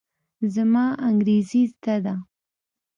زما انګرېزي زده ده.